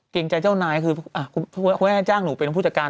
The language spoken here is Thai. ใจเจ้านายคือคุณแม่จ้างหนูเป็นผู้จัดการ